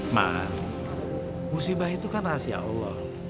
nah musibah itu kan rahasia allah